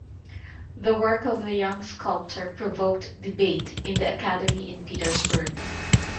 The work of the young sculptor provoked debate in the Academy in Petersburg.